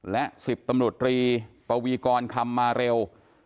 และ๑๐ตำรวจตรีปวีกรคำมาเร็ว